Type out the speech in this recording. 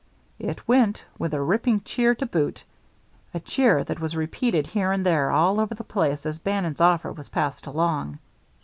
It went, with a ripping cheer to boot; a cheer that was repeated here and there all over the place as Bannon's offer was passed along.